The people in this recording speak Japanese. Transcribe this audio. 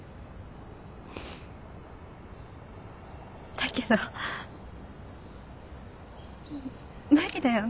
だけど無理だよね